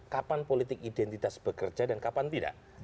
kapan politik identitas bekerja dan kapan tidak